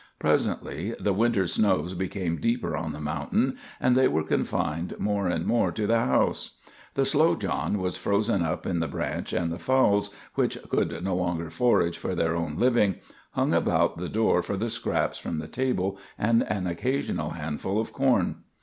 Presently the winter snows became deeper on the mountain, and they were confined more and more to the house. The Slow John was frozen up in the branch, and the fowls, which could no longer forage for their own living, hung about the door for the scraps from the table and an occasional handful of corn.